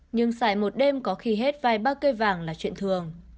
nhưng xài một đêm có khi hết vài ba cây vàng là chuyện thường